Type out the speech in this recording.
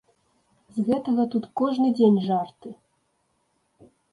З гэтага тут кожны дзень жарты.